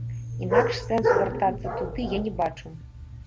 Інакш сэнсу вяртацца туды я не бачу.